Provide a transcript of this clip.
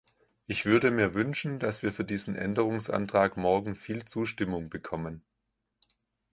Ich würde mir wünschen, dass wir für diesen Änderungsantrag morgen viel Zustimmung bekommen.